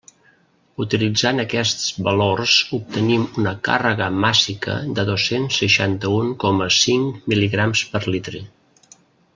Utilitzant aquests valors obtenim una càrrega màssica de dos-cents seixanta-un coma cinc mil·ligrams per litre.